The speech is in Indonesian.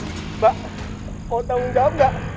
mbak mau tanggung jawab nggak